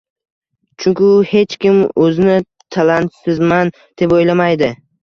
Chunki hech kim o`zini talantsizman, deb o`ylamaydi